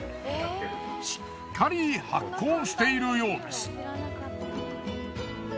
しっかり発酵しているようです。